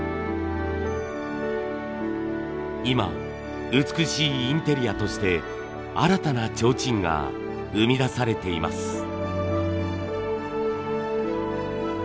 今美しいインテリアとして新たなちょうちんが生み出されています。